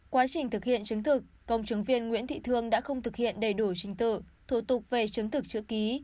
quá trình thực hiện chứng thực công chứng viên nguyễn thị thương đã không thực hiện đầy đủ trình tự thủ tục về chứng thực chữ ký